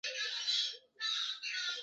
据说约斐尔还是天使梅塔特隆的同伴。